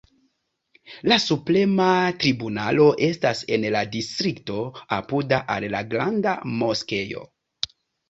La Suprema Tribunalo estas en la distrikto apuda al la Granda Moskeo.